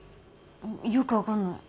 よく分かんない。